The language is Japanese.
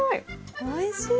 おいしい。